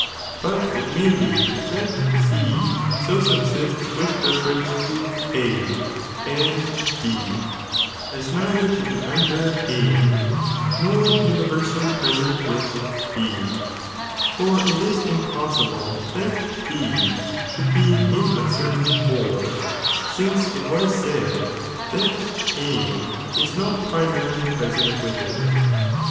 But it may be that C so subsists with reference to A and B, as neither to be under A nor universally (present) with B, for it is impoBsibte that B should be in a certain whole, since it was said that A is not primarily present ^ Ei„!piMof with it